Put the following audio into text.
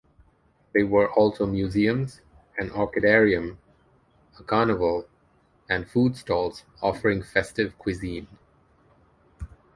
There were also museums, an orchidarium, a carnival, and food stalls offering festive cuisine.